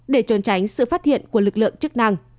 để trốn tránh sự phát hiện của lực lượng chức năng